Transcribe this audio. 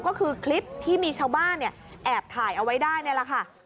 ก็คือคลิปที่มีชาวบ้านแอบถ่ายเอาไว้ได้นี่แหละค่ะ